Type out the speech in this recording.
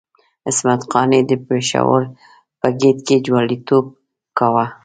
عصمت قانع د پېښور په ګېټ کې جواليتوب کاوه.